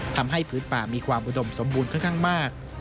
ทำให้พื้นป่ามีความอุดมสมบูรณ์ค่อนข้างมาก